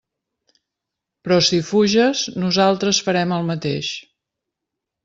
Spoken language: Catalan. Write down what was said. Però si fuges, nosaltres farem el mateix.